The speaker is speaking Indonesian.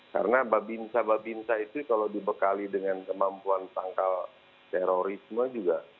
karena babinsa babinsa itu kalau dibekali dengan kemampuan tangkal terorisme juga